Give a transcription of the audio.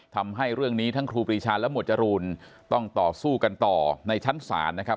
ทำให้เรื่องนี้ทั้งครูปรีชาและหมวดจรูนต้องต่อสู้กันต่อในชั้นศาลนะครับ